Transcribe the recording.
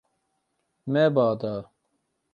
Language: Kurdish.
Me ba da.